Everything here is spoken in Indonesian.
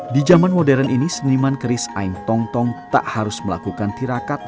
di zaman modern ini seniman keris ain tong tong tak harus melakukan tirakat